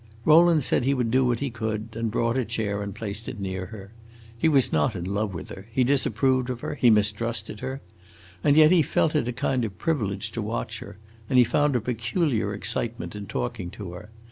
Rowland said he would do what he could, and brought a chair and placed it near her. He was not in love with her; he disapproved of her; he mistrusted her; and yet he felt it a kind of privilege to watch her, and he found a peculiar excitement in talking to her.